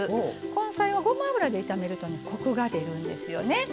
根菜は、ごま油で炒めるとコクが出るんですよね。